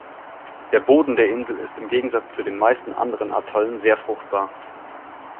Der Boden der Insel ist im Gegensatz zu den meisten anderen Atollen sehr fruchtbar.